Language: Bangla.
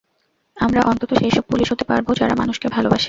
আমরা অন্তত সেইসব পুলিশ হতে পারব যারা মানুষকে ভালোবাসে।